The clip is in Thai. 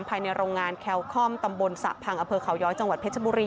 ภายในโรงงานแคลคอมตำบลสระพังอำเภอเขาย้อยจังหวัดเพชรบุรี